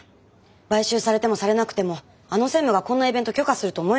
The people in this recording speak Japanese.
買収されてもされなくてもあの専務がこんなイベント許可すると思えないし。